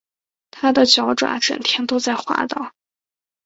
他的脚爪整天都在滑倒